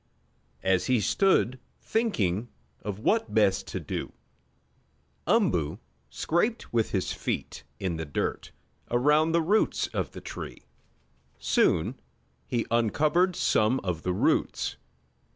As he stood thinking of what best to do, Umboo scraped with his feet in the dirt around the roots of the tree. Soon he uncovered some of the roots.